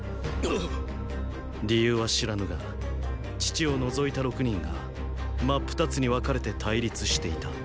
っ⁉理由は知らぬが父を除いた六人が真っ二つにわかれて対立していた。